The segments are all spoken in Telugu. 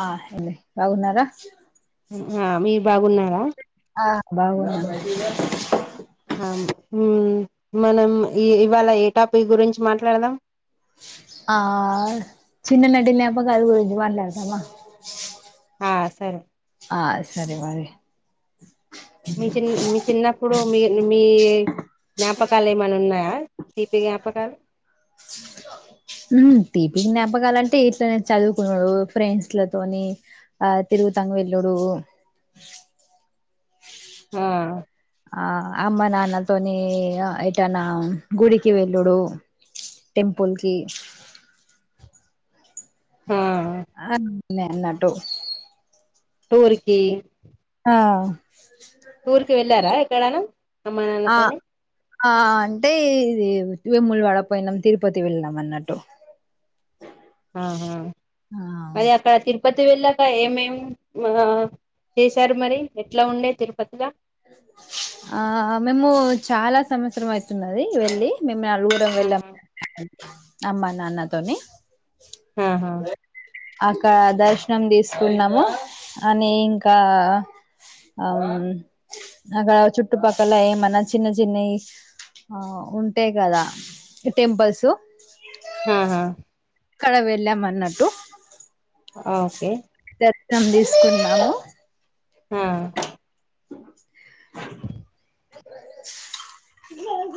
ఆ హెలో బాగున్నారా? ఆ మీరు బాగున్నారా? ఆ బాగున్నమ్ హా హుమ్ మనం ఈ ఇవ్వాల ఏ టాపిక్ గురించి మాట్లాడుదాం ఆ చిన్న నాటి జ్ఞాపకాల గురించి మాట్లాదామ ఆ సరే ఆ సరే మరి మి చిన్ మీ చిన్నప్పుడు మి మీ మి జ్ఞాపకాలు ఏమన్నున్నయా తీపీ జ్ఞాపకాలు ఉమ్ తీపీ జ్ఞపకాలంటే ఇట్లనేే చదువుకునుడూ ఫ్రెండ్స్లతోని ఆ తిరు గుతంకు వెెల్లుడూ ఆ ఆ అమ్మ నాన్నల్తోని అ ఎటన్న గుడికి వెళ్ళుడూ టెంపుల్కి ఆ ఆ నే నటు టూర్ కి ఆ టూర్కి వెళ్ళారా ఎక్కడన్న అమ్మా ఆ నాన్నతోని ఆ అంటే ఇది వెముల్వాడ పోయినం తిరుపతి వెల్నం అన్నట్టు ఆహా ఆ అవన్ మరి అక్కడ తిరుపతి వెళ్ళాక ఏమేమ్ ఆ చేశారు మరి ఎట్లా ఉండే తిరుపతిల ఆ మేము చాలా సంవత్సరం అయితున్నది వెళ్ళి మేము నలుగురం వేళ్యం ఆహా అమ్మా నాన్నతోని ఆహా అకా దర్శనం తీసుకున్నము అని ఇంకా అవ్ ఉమ్మ్ అక చుట్టుపక్కల ఏమన్న చిన్న చిన్నయి ఆ ఉంటయి కదా టెంపుల్స్ ఆహా అక్కడ వెళ్ళామన్నట్టు ఓకే దత్రం తీస్కున్నామూ ఆ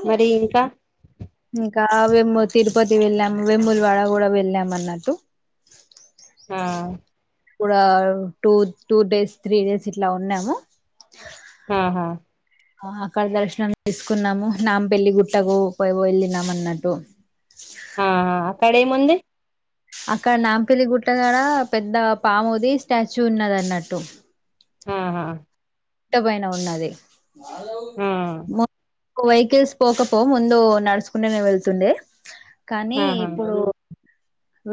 మరి ఇంకా ఇంకావేమో తిరుపతి వెళ్ళాము వెముల్వాడ కూడా వెళ్ళామన్నట్టు ఆ [unintelligible] కూడా two two days three days ఇట్ల ఉన్నము ఆహా అక్కడ దర్శనం తీసుకున్నము నాంపెల్లి గుట్టకు పో వెళ్ళినామ్ అన్నట్టు అక్కడే ముంది. అక్కడ నాంపల్లి గుట్టగాడ పెద్ద పాముది స్టాచ్యూ ఉన్నదన్నట్టు ఆహా గుట్ట పైన ఉన్నది ఆ మొ కొ వెహికల్స్ పోకపో ముందు నడుచకుంటేనే వెళ్తుండే కానీ ఆహా ఇప్పుడు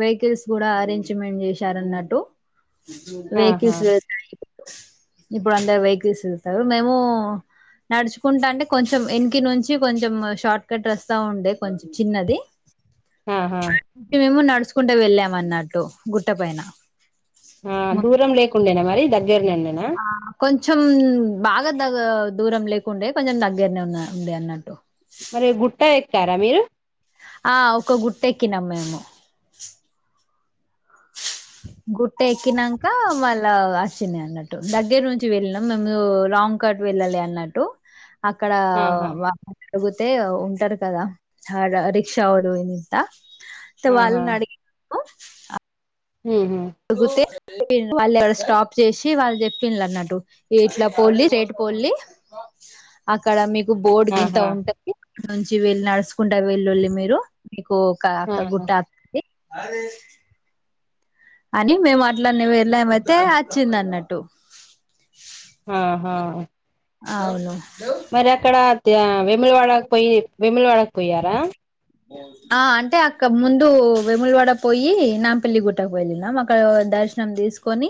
వెహికల్స్ కూడా అరేంజ్మెంట్ చేశారన్నట్టు ఆహా వెహికల్స్ [unintelligible] ఇప్పుడు అంట వేక్ తీసేల్తరు మేము నడుచుకుంటా అంటే కొంచెం ఎనికి నుంచి కొంచెం షార్ట్ కట్ అస్తా ఉండే కొంచం చిన్నది ఆహా మేమెమో నడుస్ స్కుంట వెళ్ళామ అన్నట్టు గుట్ట పైన ఆ దూరం లేకుండేనా మరి దగ్గర్నేన ఆ కొం కొంచం బాగా దగ దూరం లేకుండే కొంచెం దగ్గరనే ఉన్న ఉంది అన్నట్టు మరి గుట్ట ఎక్కారా మీరు ఆ ఒక గుట్టెక్కినాం మేము గుట్ట ఎక్కినంక మళ్ళా వచ్చినయి అన్నట్టు దగ్గర నుంచి వెళ్ళినము మేము రాంగ్ కట్ వెళ్ళాలె అన్నట్టు అక్కడ ఆహా వా అడుగుతే ఉంటారు కదా తార్ రిక్షా వరు నింత తె ఆహా వాళ్ళన్ అడినము ఉహు అడుగుతే వాళ్ళు ఎవరో స్టాప్ చేసి వాళ్ళు చెప్పిన్ అన్నట్టు ఇట్లా పోల్లి స్ట్రెట్ పోల్లి అక్కడ మీకు బోర్డు గింత ఆహా ఉంటది క్క నుంచి వెళ్ళి నడుస్ కుంట వెలుల్లి మీరు మీకు ఒక అక్క ఆహా గుట్ట అత్తది అని మేము అట్లానే వెళ్ళామైతే అచ్చింది అన్నట్టు వా హా అవును మరి అక్కడ వెములవడక్ పోయి వెములవాడక్ పోయారా ఆ అంటే అక్క ముందు వెముల్వాడ పోయి నాంపల్లి గుట్టకు వెళ్ళినాం అక్కడ ద శనం తీసుకొని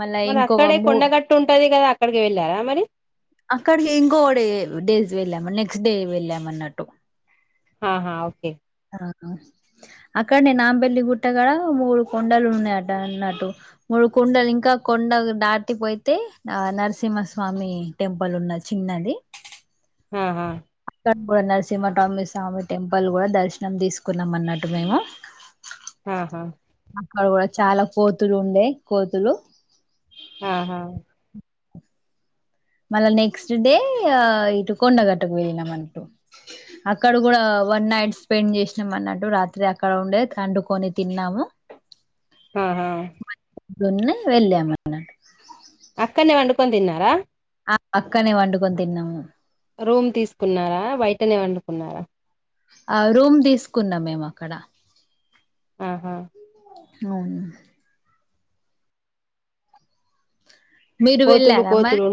మళ్ళా మరి ఇంకొక అక్కడే మూ కొండగట్టు ఉంటది కదా అక్కడికి వెళ్ళారా మరి అక్కడికి ఇంకోడే డేస్ వెళ్ళాము నెక్స్ట్ డే వెళ్ళాము అన్నట్టు అ హా ఓకే ఆ అక్కడనే నాంపేల్లి గుట్టగాడ మూడు కొండలు ఉన్నాయట అన్నట్టు మూడు ఇప్పుడు కొండలు ఇంకా కొండ దాటిపోతే ఆ నరసింహస్వామి టెంపుల్ ఉన్నది చిన్న ది ఆహా [unintelligible] నరసింహటమి స్వామి టెంపుల్ కూడా దర్శనం తీసుకున్నాం అన్నట్టు మేము ఆహా అగొ చాలా కోతులు ఉండే కోతులు ఆహా మల్ల నెక్స్ట్ డే ఇటు కొంండగటకు వెళ్ళినాం అన్నటు అక్కడ కూడా వన్ నైట్ స్పెండ్ చేసినాం అన్నట్టు రాత్రి అక్కడ ఉండే వండుకొని తిన్నాము ఆహా నూనె వెళ్ళామ్ అన్నాటు అక్కన్నే వండుకొని తిన్నారా ఆ అక్కనే వండుకొని తిన్నాము రూమ్ తీసుకున్నారా బయటనే వండుకున్నారా ఆ రూమ్ తీసుకున్నాం మేము అక్కడ ఆహా అవును మీరు కోతులు వెళ్ళారమ్మా కోతులు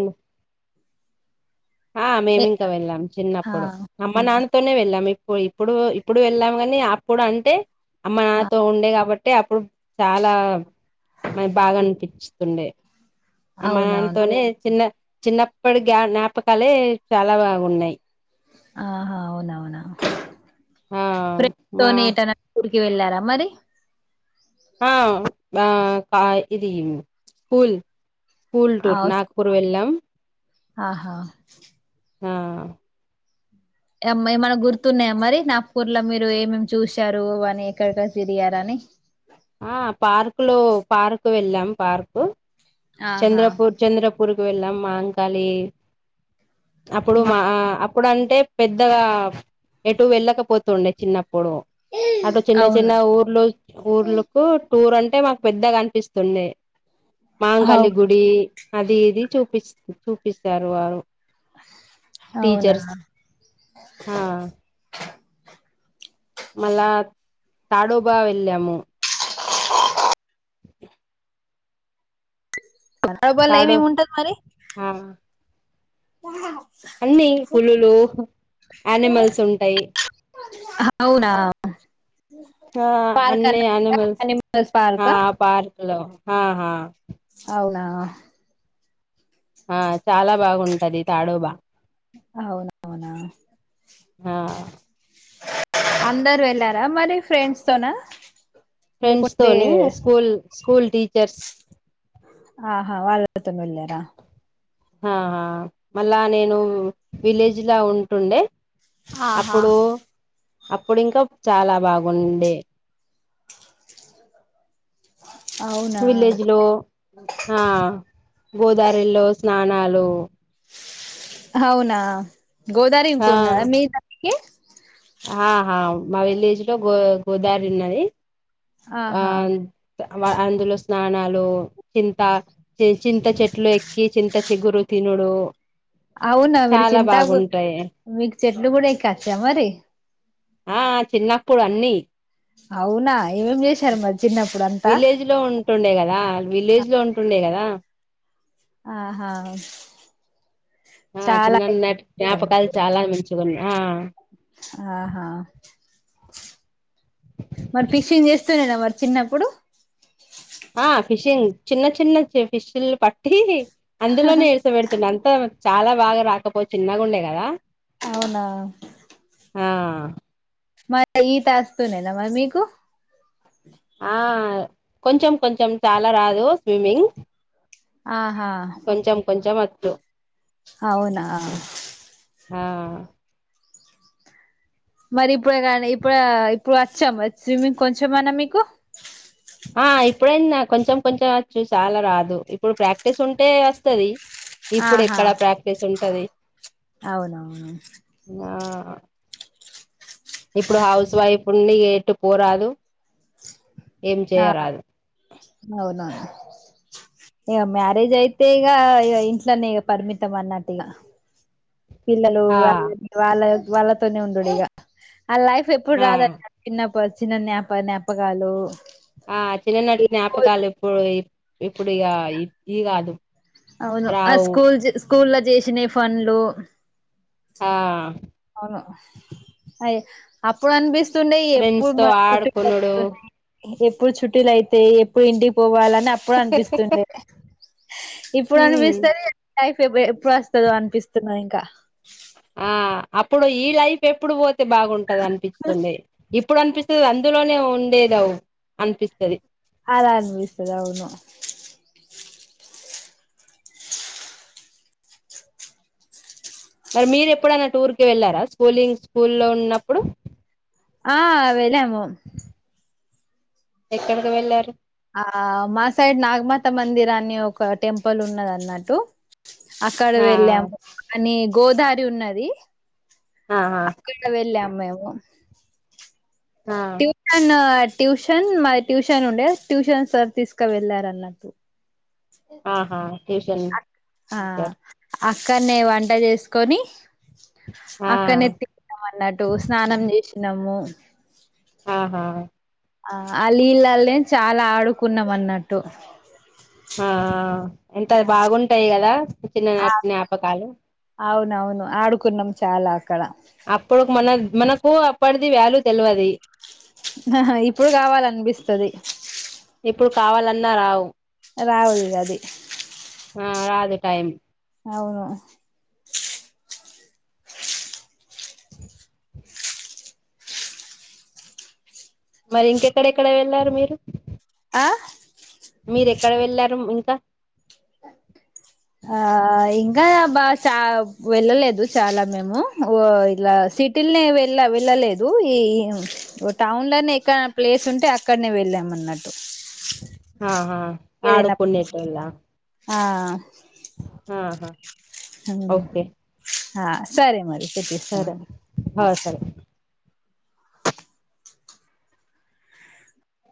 ఆ ఏ మేమింకా వెళ్ళాం ఆ చిన్నప్పుడు అమ్మ నాన్న తోనే వెళ్ళాము ఇప్పుడు ఇప్పుడు ఇప్పుడు వెళ్ళాం కాని అప్పుడు అంటే అమ్మ ఆ నాతో ఉండే కాబట్టి అంటే అప్పుడు చాలా మన బాగా అనిపిస్తుండే అమ్మా అవునవును నాన్నతోనే చిన్న చిన్నప్పటి జ జ్ఞాపకాలే చాలా బాగున్నాయి ఆహా అవునావునా ఆ మా వెళ్ళారా మరి ఆ బా ప ఇది స్కూల్ స్కూల్ ఆ టూర్ స్కూ నాగపూర్ వెళ్ళాం ఆహా ఆ ఎం ఏమైనా గుర్తున్నాయా మరి నాగ్పూర్లో మీరు ఏమేమి చూశారు అని ఎక్కడక్కడ తిరిగారు అని ఆ పార్కు లో పార్కు వెళ్ళాం పార్క్ ఆహా చంద్రపూర్ చంద్రపూ ఊరుకు వెళ్ళాం మహంకాళి అప్పుడు మా అప్పుడు అంటే పెద్దగా ఎటు వెళ్ళకపోతుండే చిన్నప్పు పోడుం అటుచిన్న చిన్న అవునా ఊర్లో ఊర్లకు టూర్ అంటే మాకు పెద్దగా అనిపిస్తుందే మా మహంకాళి అవు గుడి అది ఇది చూపి చూపిస్తారు వారు అవునా టీచర్స్ హా మళ తాడోబా వెళ్ళము తాడోబాలా ఎం తాడో ఎం ఉంటది మరి ఆ అన్ని పులులు యానిమల్స్ ఉంటాయి అవునా ఆ పార్క్ అన్ని అన్న అనిమల్స్ పార్క్ లో ఆ హా అవునా అది తాడోబా అవునా అవునా ఆ అందరు వెళ్ళారా మరి ఫ్రెండ్స్ తోనా ఫ్రెండ్స్ లేకుంటే తోని స్కూల్ స్కూల్ టీచర్స్ ఆహా వాళ్ళ అందరితోని వెళ్ళారా ఆహా మళ్ళా నేను విలేజ్ లా ఉంటుండే ఆహా అప్పుడు అప్పుడు ఇంకా చాలా బాగుండే అవునా విలేజ్ లో ఆ గోదావరిలో స్నానాలు అవునా గోదారి ఆ ఇకున్నాదా మీ కంటికి ఆహా మా విలేజ్ లో గో గోదావరి ఉన్నది ఆ ఆహా అందులో స్నానాలు చింత చింత చెట్లు ఎక్కి చింత చిగురు తి తినుడు అవునా మీరు చాలా చింతాకు బాగుంటాయి మీకు చెట్లు కూడా ఏక్కచ్చా మరి ఆ చిన్నప్పుడు అన్నీ అవునా ఏమేం చేశారు మరి చిన్నప్పు విలేజ్ లో ఉంటుండే కదా విలేజ్ లో ఉంటుండే కదా ఆహా ఆ చాలా చిన్నన్నటి జ్ఞాపకాలు చాలా మంచిగున్నాయి ఆ ఆహా మరి ఫిషింగ్ చేస్తూండేనా మరి చిన్నప్పుడు ఆ ఫిషింగ్ చిన్న చిన్న ఫిషుల్ని పట్టీ అందులోనే ఇడ్సబెడుతుండే అంతా చాలా బాగా రాకపోవు చిన్నగుండె కదా అవునా ఆ మరి ఈత వస్తుండేనా మరి మీకు ఆ కొంచెం కొంచెం చాలా రాదు స్విమ్మింగ్ ఆహా కొంచెం కొంచెం వచ్చు అవునా ఆ మరి ఇప్పుడేకానీ ఇప్పుడ ఇప్పుడచ్చా మరి స్విమ్మింగ్ కొంచమన్నా మీకు ఆ ఇప్పుడైనా కొంచెం కొంచెం వచ్చు చాలా రాదు ఇప్పుడు ప్రాక్టీస్ ఉంటే వస్తది ఇప్పుడు ఆహా ఎక్కడ ప్రాక్టీస్ ఉంటది అవునవును నా ఇప్పుడు హౌస్ వైఫ్ ని ఎటు పోరాదు ఏం ఆ చేయరాదు అవునవును ఇగ మ్యారేజ్ అయితే ఇగ ఇగ ఇంట్లనె ఇగ పరిమితం అన్నట్టిగా పిల్లలు ఆ వాళ్ళ వాళ్ళ వాళ్ళతోనే ఉండుడిగ ఆ లైఫ్ ఎప్పుడు ఆ రాదు చిన్నప్పుడు చిన్న జ్ఞాప-జ్ఞాపకాలు ఆ చిన్ననాటి జ్ఞాపకాలు ఇప్పుడు ఇప్పుడు ఇగ ఇ కాదు అవును ఆ రావు స్కూల్స్ స్కూల్ లొ చేసినై ఫన్లు ఆ అయ అప్పుడనిపిస్తుండే ఫ్రెండ్స్ ఎప్పుడు తో మన కుటుంబం ఆడుకునుడు ఎప్పుడు చుట్టీలు అయితై ఎప్పుడు ఇంటికి పోవాల అప్పుడనిపిస్తుండే హ్మ్ ఇప్పుడనిపిస్తది లైఫ్ ఎప్పుడస్తదో అనిపిస్తున్నది ఇంకా ఆ అప్పుడు ఈ లైఫ్ ఎప్పుడు పోతే బాగుంటది అనిపిస్తుండే ఇప్ ఇప్పుడు అనిపిస్తది అందులోనే ఉండేదవ్ అనిపిస్తది అలా అన్పిస్తదవును మరి మీరెప్పుడన్నా టూర్కిి వెళ్ళారా స్కూలింగ్ స్కూల్ లో ఉన్నప్పుడు ఆ వెళాము ఎక్కడకి వెళ్ళారు ఆ మా సైడ్ నాగమాత మందిరని ఒక టెంపుల్ ఉన్నదన్నట్టు అక్కడ ఆ వెళ్ళాము అని గోదారి ఉన్నది ఆహా అక్కడ వెళ్లాము మేము ఆ ట్యూషన్ ట్యూషన్ మాది ట్యూషన్ ఉండే ట్యూషన్ సార్ తీసుకవెళ్ళారన్నట్టు ఆహా ట్యూషన్ టీచర్ అక్కన్నే వంట చేసుకొని ఆ అక్కన్నే తిన్నామన్నట్టు స్నానం చేసినము ఆ ఆ ఆ లీళ్లా ల్లె చాలా ఆడుకున్నాం అన్నట్టు ఆ ఎంత బాగుంటాయి కదా ఆ చిన్ననాటి జ్ఞాపకాలు అవునవును ఆడుకున్నమ్ చాలా అక్కడ అప్పుడు మన మనకు అప్పటిది వ్యాల్యూ తెలువది హాహా ఇప్పుడు కావాలనిపిస్తది ఇప్పుడు కావాలన్నా రావు రావుల్గది ఆ రాదు టైమ్ అవును మరి ఇంకెక్కడెక్కడ వెళ్ళారు మీరు ఆ మీరు ఎక్కడ వెళ్ళారు మ్ ఇంకా ఆ ఇంకా బా చ వెళ్ళలేదు చాలా మేము ఉ ఇలా సిటీల్నే వెళ్ళ వెళ్ళలేదు ఈ వ టౌన్ లనే ఎక్కడన ప్లేస్ ఉంటే అక్కడనే వెళ్ళాం అన్నట్టు ఆహా ఆడు ఏదైనా కుణేటోల్ల ఆ ఆహా ఓకే సరే మరి సరే తెచిస్తామండి ఆ సరే